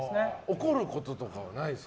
怒ることとかはないですか？